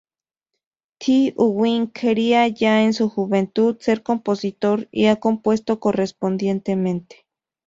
Ty Unwin quería ya en su juventud ser compositor y ha compuesto correspondientemente.